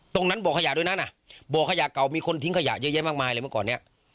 บ่อขยะด้วยนั้นอ่ะบ่อขยะเก่ามีคนทิ้งขยะเยอะแยะมากมายเลยเมื่อก่อนเนี่ย